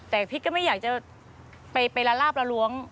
แต่พีชก็ไม่อยากจะไปละลาบละล้วง